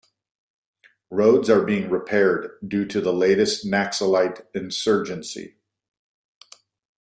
Roads are being repaired due to latest Naxilite insurgency.